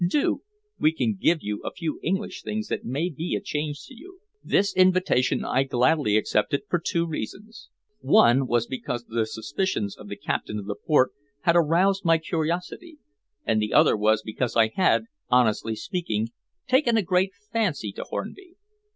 Do. We can give you a few English things that may be a change to you." This invitation I gladly accepted for two reasons. One was because the suspicions of the Captain of the Port had aroused my curiosity, and the other was because I had, honestly speaking, taken a great fancy to Hornby.